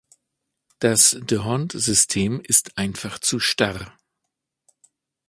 Das D'Hondt-System ist einfach zu starr.